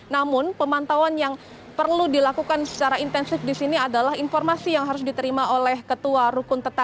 namun pemantauan yang perlu dilakukan secara intensif di sini adalah informasi yang harus diterima oleh ketua rukun tetangga